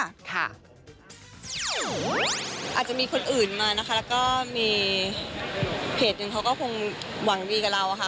อาจจะมีคนอื่นมานะคะแล้วก็มีเพจหนึ่งเขาก็คงหวังดีกับเราค่ะ